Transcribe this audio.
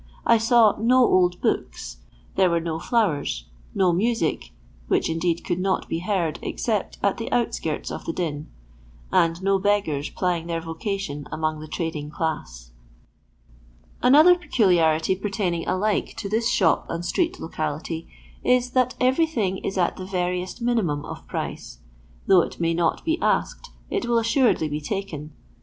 I saw no old books. There were no flowers ; no music, which indeed could not be heard except at the outskirts of the din ; and no beggars plying their vocation among the trading class. Another peculiarity pertaining alike to this shop and street locality is, that everything is at the veriest minimum of price ; though it may not be asked, it will assuredly be taken.